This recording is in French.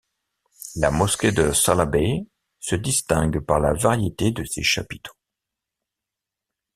La mosquée de Salah Bey se distingue par la variété de ses chapiteaux.